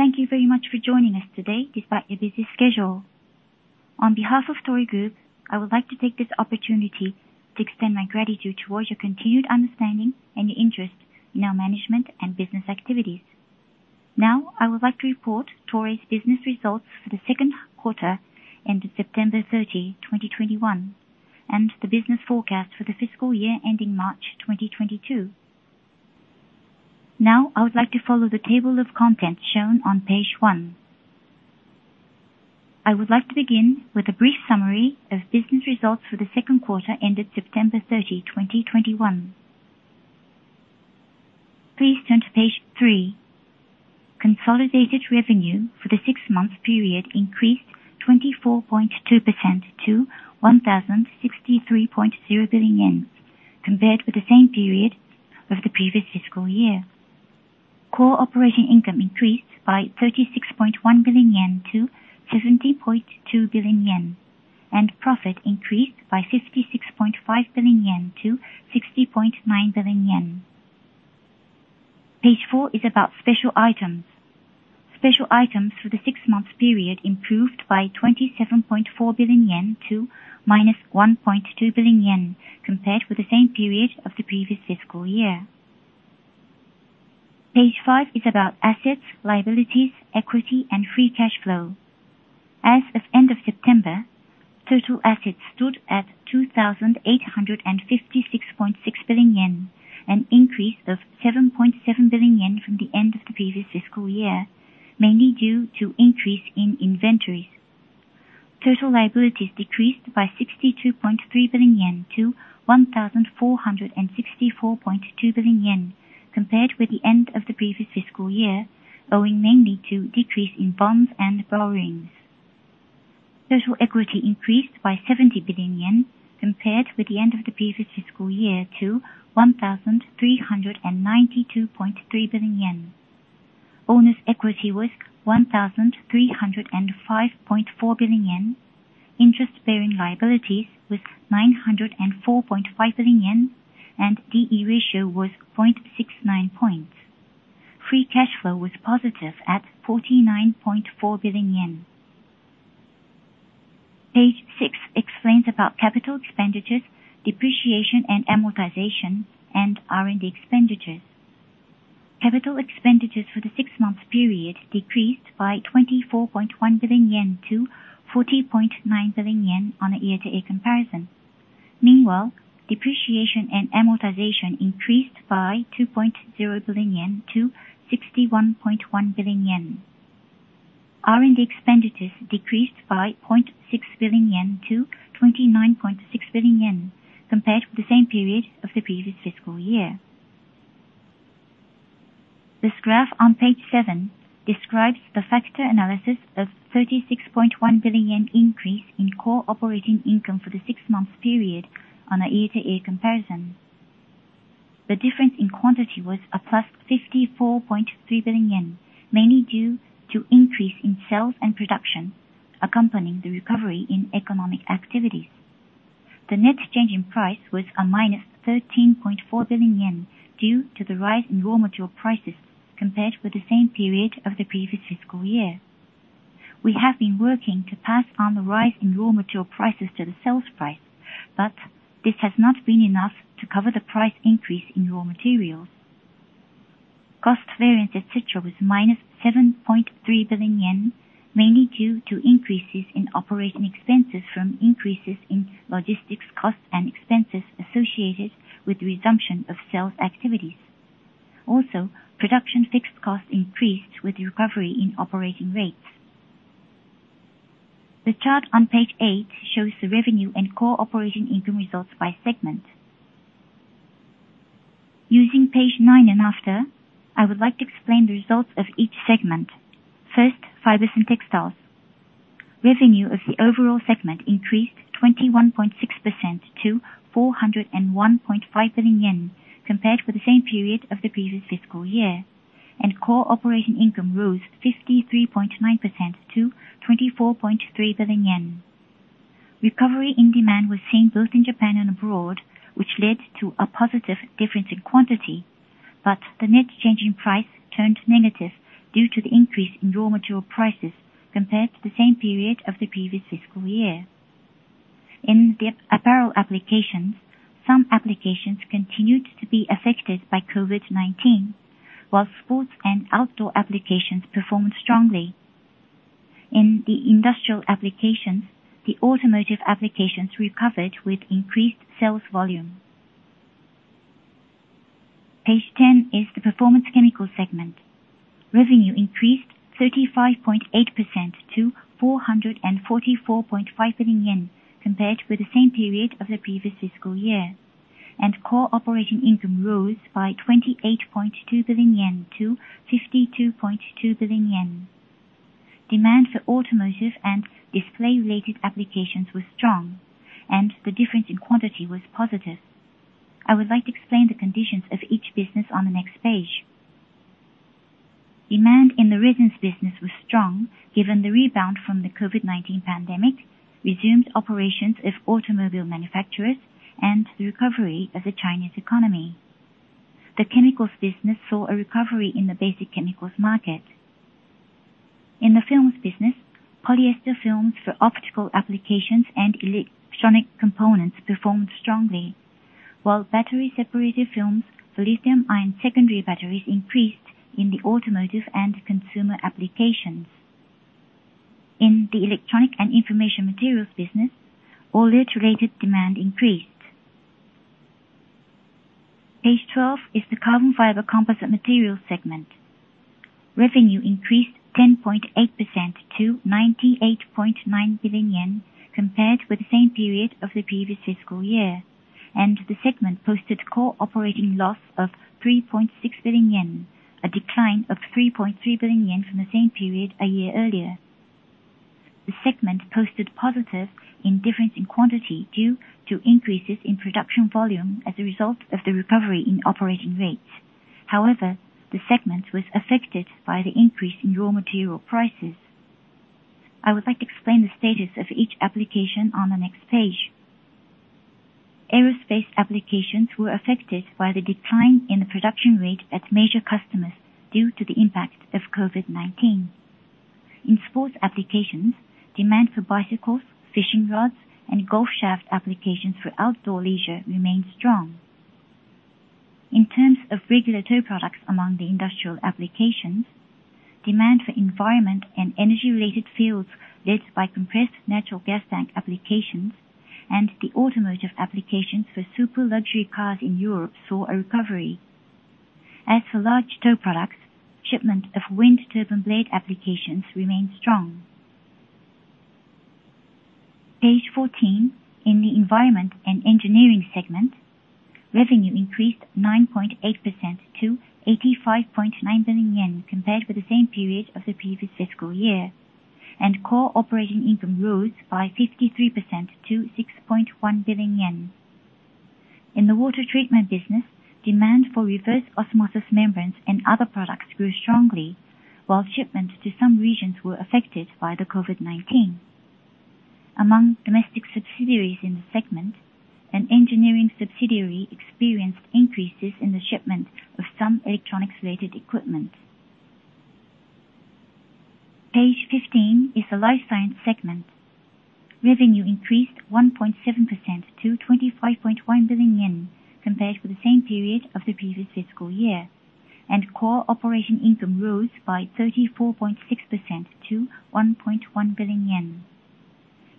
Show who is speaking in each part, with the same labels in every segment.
Speaker 1: Thank you very much for joining us today despite your busy schedule. On behalf of Toray Group, I would like to take this opportunity to extend my gratitude towards your continued understanding and your interest in our management and business activities. I would like to report Toray's business results for the second quarter ended September 30, 2021, and the business forecast for the fiscal year ending March 2022. I would like to follow the table of contents shown on page one. I would like to begin with a brief summary of business results for the second quarter ended September 30, 2021. Please turn to page three. Consolidated revenue for the six-month period increased 24.2% to 1,063.0 billion yen compared with the same period of the previous fiscal year. Core operating income increased by 36.1 billion yen to 70.2 billion yen, and profit increased by 56.5 billion yen to 60.9 billion yen. Page four is about special items. Special items for the six-month period improved by 27.4 billion yen to -1.2 billion yen compared with the same period of the previous fiscal year. Page five is about assets, liabilities, equity, and free cash flow. As of end of September, total assets stood at 2,856.6 billion yen, an increase of 7.7 billion yen from the end of the previous fiscal year, mainly due to increase in inventories. Total liabilities decreased by 62.3 billion yen to 1,464.2 billion yen compared with the end of the previous fiscal year, owing mainly to decrease in bonds and borrowings. Total equity increased by 70 billion yen compared with the end of the previous fiscal year to 1,392.3 billion yen. Owner's equity was 1,305.4 billion yen. Interest-bearing liabilities was 904.5 billion yen, and D/E ratio was 0.69. Free cash flow was positive at 49.4 billion yen. Page six explains about capital expenditures, depreciation and amortization, and R&D expenditures. Capital expenditures for the six-month period decreased by 24.1 billion yen to 40.9 billion yen on a year-to-year comparison. Meanwhile, depreciation and amortization increased by 2.0 billion yen to 61.1 billion yen. R&D expenditures decreased by 0.6 billion yen to 29.6 billion yen compared with the same period of the previous fiscal year. This graph on page seven describes the factor analysis of 36.1 billion increase in core operating income for the six-month period on a year-to-year comparison. The difference in quantity was +54.3 billion yen, mainly due to increase in sales and production accompanying the recovery in economic activities. The net change in price was -13.4 billion yen due to the rise in raw material prices compared with the same period of the previous fiscal year. We have been working to pass on the rise in raw material prices to the sales price, but this has not been enough to cover the price increase in raw materials. Cost variance, et cetera, was -7.3 billion yen, mainly due to increases in operating expenses from increases in logistics costs and expenses associated with the resumption of sales activities. Also, production fixed costs increased with the recovery in operating rates. The chart on page eight shows the revenue and core operating income results by segment. Using page nine and after, I would like to explain the results of each segment. First, Fibers and Textiles. Revenue of the overall segment increased 21.6% to 401.5 billion yen compared with the same period of the previous fiscal year. Core operating income rose 53.9% to 24.3 billion yen. Recovery in demand was seen both in Japan and abroad, which led to a positive difference in quantity, but the net change in price turned negative due to the increase in raw material prices compared to the same period of the previous fiscal year. In the apparel applications, some applications continued to be affected by COVID-19, while sports and outdoor applications performed strongly. In the industrial applications, the automotive applications recovered with increased sales volume. Page 10 is the Performance Chemicals segment. Revenue increased 35.8% to 444.5 billion yen compared with the same period of the previous fiscal year. Core operating income rose by 28.2 billion yen to 52.2 billion yen. Demand for automotive and display related applications was strong, and the difference in quantity was positive. I would like to explain the conditions of each business on the next page. Demand in the resins business was strong, given the rebound from the COVID-19 pandemic, resumed operations of automobile manufacturers and the recovery of the Chinese economy. The chemicals business saw a recovery in the basic chemicals market. In the films business, polyester films for optical applications and electronic components performed strongly. While battery separator films for lithium-ion secondary batteries increased in the automotive and consumer applications. In the electronic and information materials business, OLED-related demand increased. Page 12 is the carbon fiber composite materials segment. Revenue increased 10.8% to 98.9 billion yen compared with the same period of the previous fiscal year. The segment posted core operating loss of 3.6 billion yen, a decline of 3.3 billion yen from the same period a year earlier. The segment posted positive difference in quantity due to increases in production volume as a result of the recovery in operating rates. However, the segment was affected by the increase in raw material prices. I would like to explain the status of each application on the next page. Aerospace applications were affected by the decline in the production rate at major customers due to the impact of COVID-19. In sports applications, demand for bicycles, fishing rods, and golf shaft applications for outdoor leisure remained strong. In terms of regular products among the industrial applications, demand for environment and engineering led by compressed natural gas tank applications and the automotive applications for super luxury cars in Europe saw a recovery. As for large tow products, shipment of wind turbine blade applications remained strong. Page 14, in the Environment and Engineering segment, revenue increased 9.8% to 85.9 billion yen compared with the same period of the previous fiscal year. Core operating income rose by 53% to 6.1 billion yen. In the water treatment business, demand for reverse osmosis membranes and other products grew strongly, while shipments to some regions were affected by the COVID-19. Among domestic subsidiaries in the segment, an engineering subsidiary experienced increases in the shipment of some electronics-related equipment. Page 15 is the Life Science segment. Revenue increased 1.7% to 25.1 billion yen compared with the same period of the previous fiscal year. Core operating income rose by 34.6% to 1.1 billion yen.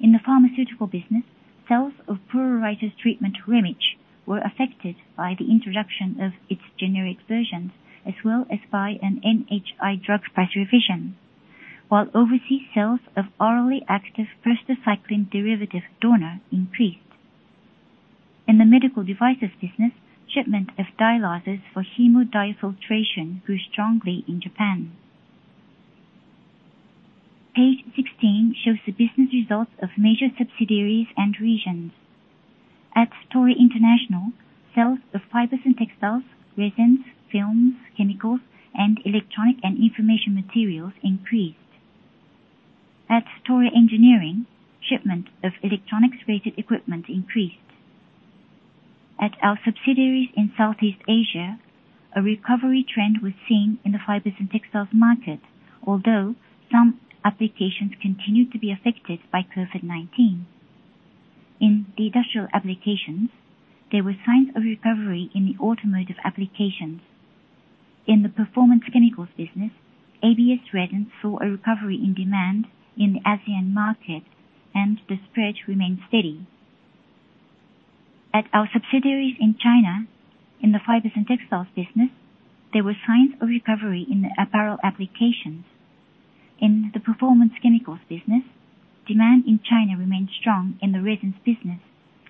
Speaker 1: In the pharmaceutical business, sales of pruritus treatment REMITCH were affected by the introduction of its generic versions, as well as by an NHI drug price revision. Overseas sales of orally active prostacyclin derivative DORNER increased. In the medical devices business, shipment of dialyzers for hemodiafiltration grew strongly in Japan. Page 16 shows the business results of major subsidiaries and regions. At Toray International, sales of fibers and textiles, resins, films, chemicals, and electronic and information materials increased. At Toray Engineering, shipment of electronics-related equipment increased. At our subsidiaries in Southeast Asia, a recovery trend was seen in the fibers and textiles market, although some applications continued to be affected by COVID-19. In the industrial applications, there were signs of recovery in the automotive applications. In the Performance Chemicals business, ABS resins saw a recovery in demand in the ASEAN market, and the spread remained steady. At our subsidiaries in China, in the Fibers and Textiles business, there were signs of recovery in the apparel applications. In the Performance Chemicals business, demand in China remained strong in the resins business,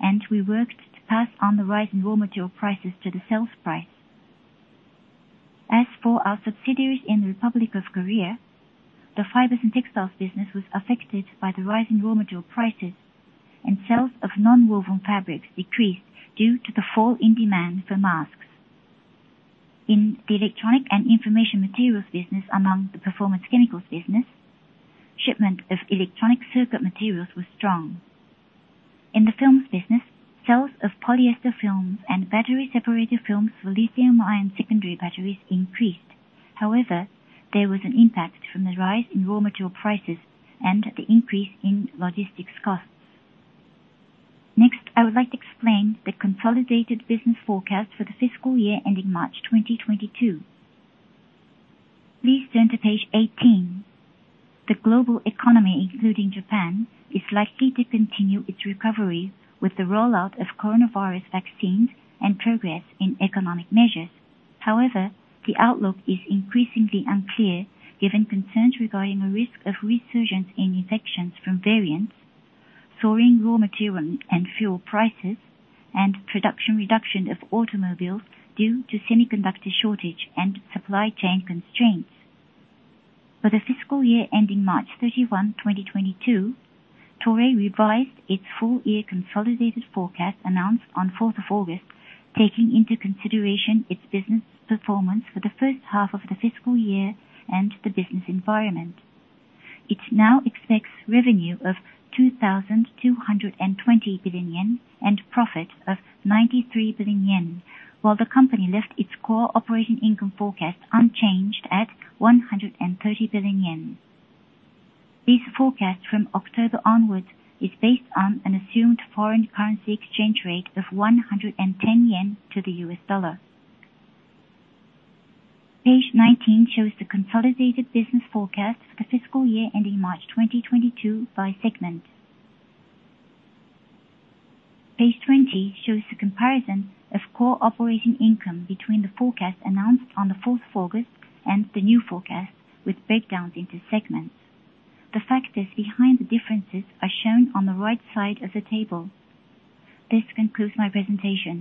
Speaker 1: and we worked to pass on the rising raw material prices to the sales price. As for our subsidiaries in the Republic of Korea, the Fibers and Textiles business was affected by the rising raw material prices and sales of nonwoven fabrics decreased due to the fall in demand for masks. In the electronic and information materials business among the Performance Chemicals business, shipment of electronic circuit materials was strong. In the films business, sales of polyester films and battery separator films for lithium-ion secondary batteries increased. However, there was an impact from the rise in raw material prices and the increase in logistics costs. Next, I would like to explain the consolidated business forecast for the fiscal year ending March 2022. Please turn to page 18. The global economy, including Japan, is likely to continue its recovery with the rollout of coronavirus vaccines and progress in economic measures. However, the outlook is increasingly unclear given concerns regarding the risk of resurgence in infections from variants, soaring raw material and fuel prices, and production reduction of automobiles due to semiconductor shortage and supply chain constraints. For the fiscal year ending March 31, 2022, Toray revised its full-year consolidated forecast announced on 4th of August, taking into consideration its business performance for the first half of the fiscal year and the business environment. It now expects revenue of 2,220 billion yen and profit of 93 billion yen, while the company left its core operating income forecast unchanged at 130 billion yen. This forecast from October onwards is based on an assumed foreign currency exchange rate of 110 yen to the U.S. dollar. Page 19 shows the consolidated business forecast for the fiscal year ending March 2022 by segment. Page 20 shows the comparison of core operating income between the forecast announced on the 4th of August and the new forecast with breakdowns into segments. The factors behind the differences are shown on the right side of the table. This concludes my presentation.